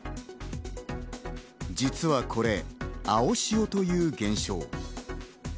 実はこれ、青潮という現象。